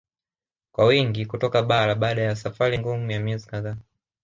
Kwa wingi kutoka bara baada ya safari ngumu ya miezi kadhaa